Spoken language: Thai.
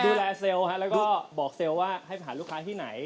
ดูแลเซลล์ค่ะแล้วก็บอกเซลล์ให้ไปหาลูกค้าที่ไหน